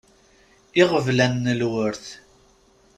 Iɣeblan n lwert.